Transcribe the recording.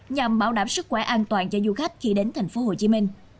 nhằm bảo đảm sức khỏe an toàn cho du khách khi đến tp hcm